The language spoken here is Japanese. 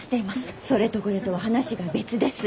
それとこれとは話が別です。